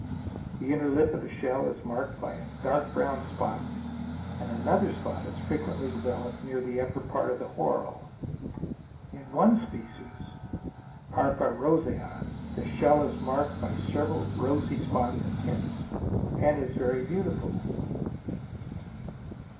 The inner lip of the shell is marked by a dark brown spot and another spot is frequently developed near the upper part of the whorl. In one species (Harpa rosea) the shell is marked by several rosy spots and tints, and is very beautiful.